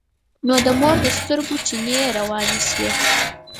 نو د مور د سترګو چينې يې روانې شوې.